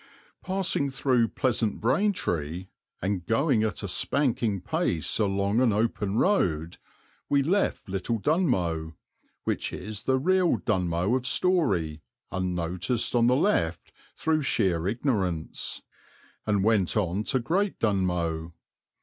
Passing through pleasant Braintree, and going at a spanking pace along an open road, we left Little Dunmow, which is the real Dunmow of story, unnoticed on the left through sheer ignorance, and went on to Great Dunmow.